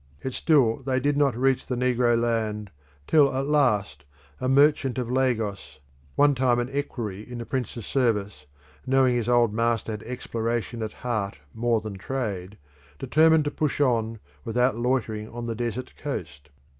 Yet still they did not reach the negro land, till at last a merchant of Lagos, one time an equerry in the Prince's service, knowing his old master had exploration at heart more than trade, determined to push on, without loitering on the desert coast.